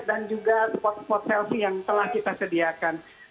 dan juga spot spot selfie yang telah kita sediakan